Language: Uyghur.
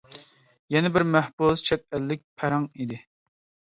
يەنە بىر مەھبۇس چەت ئەللىك پەرەڭ ئىدى.